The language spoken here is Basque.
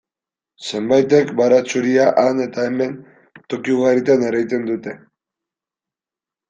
Zenbaitek baratxuria han eta hemen, toki ugaritan ereiten dute.